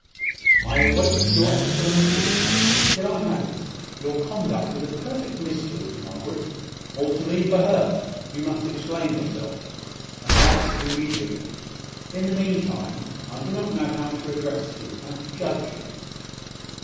"I wait your explanation. Till I have it, your conduct is a perfect mystery. To Margaret, or to me for her, you must explain yourself, and that immediately. In the mean time, I do not know how to address you how to judge you."